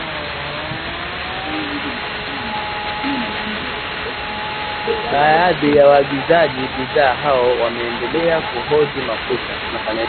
Baadhi ya waagizaji bidhaa hao wameendelea kuhodhi mafuta